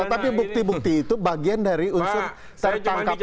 tapi bukti bukti itu bagian dari unsur tertangkap tangannya